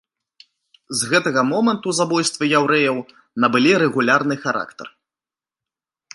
З гэтага моманту забойствы яўрэяў набылі рэгулярны характар.